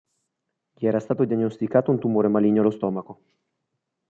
Gli era stato diagnosticato un tumore maligno allo stomaco.